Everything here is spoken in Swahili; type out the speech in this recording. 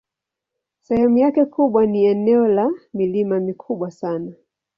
Sehemu yake kubwa ni eneo la milima mikubwa sana.